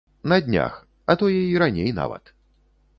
На днях, а тое і раней нават!